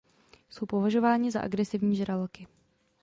Jsou považováni za agresivní žraloky.